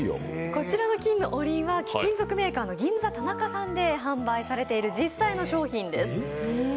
こちらの金のおりんは貴金属メーカーのＧＩＮＺＡＴＡＮＡＫＡさんで販売されている実際の商品です。